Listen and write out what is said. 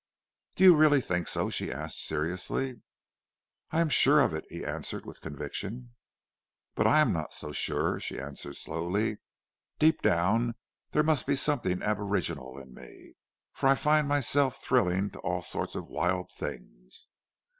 "Do you really think so?" she asked seriously. "I am sure of it," he answered with conviction. "But I am not so sure," she answered slowly. "Deep down there must be something aboriginal in me, for I find myself thrilling to all sorts of wild things.